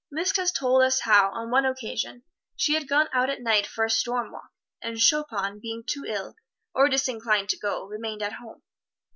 Liszt has told us how, on one occasion, she had gone out at night for a storm walk, and Chopin, being too ill, or disinclined to go, remained at home.